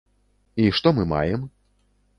І што мы маем?